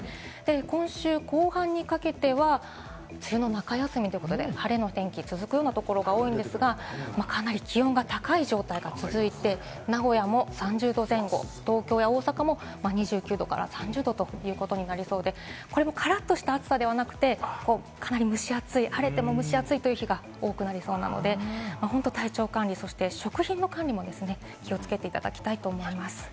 今週後半にかけては梅雨の中休みということで晴れの天気が続くところが多いんですが、かなり気温が高い状態が続いて名古屋も３０度前後、東京や大阪も２９度から３０度ということになりそうで、これもからっとした暑さではなく、かなり蒸し暑い、晴れても蒸し暑いという日が多くなりそうなので、体調管理、そして食品の管理も気をつけていただきたいと思います。